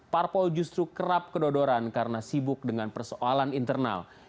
parpol justru kerap kedodoran karena sibuk dengan persoalan internal